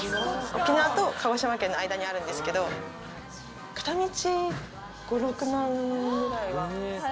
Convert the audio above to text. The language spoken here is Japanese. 沖縄と鹿児島県の間にあるんですけど、片道５６万ぐらいは。